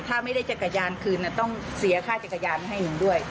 ถ้าไม่ได้จักรยานคืนต้องเสียค่าจักรยานให้หนูด้วย